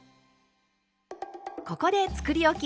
ここでつくりおき